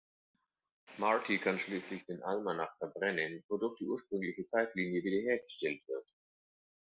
Marty kann schließlich den Almanach verbrennen, wodurch die ursprüngliche Zeitlinie wiederhergestellt wird.